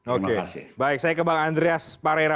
oke baik saya ke bang andreas parera